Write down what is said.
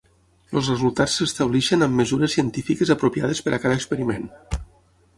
Els resultats s'estableixen amb mesures científiques apropiades per a cada experiment.